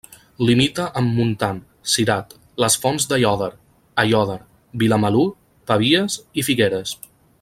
Limita amb Montant, Cirat, les Fonts d'Aiòder, Aiòder, Vilamalur, Pavies i Figueres.